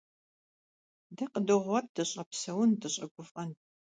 Дэ къыдогъуэт дыщӀэпсэун, дыщӀэгуфӀэн.